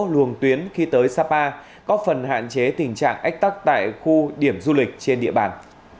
luồng tuyến khi tới sapa có phần hạn chế tình trạng ách tắc tại khu điểm du lịch trên địa bàn